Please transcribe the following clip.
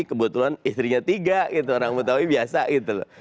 kebetulan istrinya tiga gitu orang betawi biasa gitu loh